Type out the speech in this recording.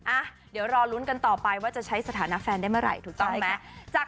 อ่ะเดี๋ยวรอลุ้นกันต่อไปว่าจะใช้สถานะแฟนได้เมื่อไหร่ถูกต้องไหม